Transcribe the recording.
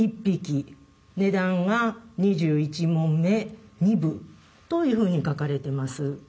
値段が「二十一匁二歩」というふうに書かれてます。